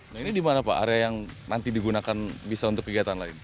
nah ini di mana pak area yang nanti digunakan bisa untuk kegiatan lain